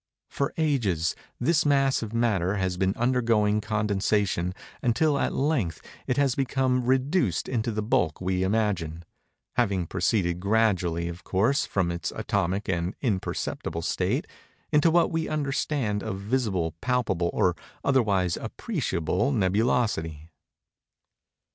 For ages, this mass of matter has been undergoing condensation, until at length it has become reduced into the bulk we imagine; having proceeded gradually, of course, from its atomic and imperceptible state, into what we understand of visible, palpable, or otherwise appreciable nebulosity.